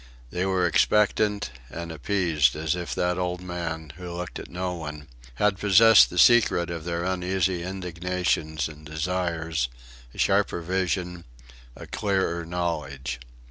They were expectant and appeased as if that old man, who looked at no one, had possessed the secret of their uneasy indignations and desires, a sharper vision, a clearer knowledge.